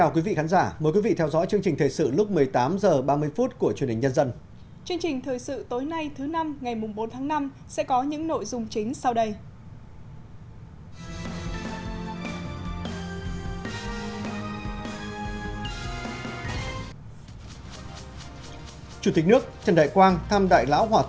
chương trình thời sự tối nay thứ năm ngày bốn tháng năm sẽ có những nội dung chính sau đây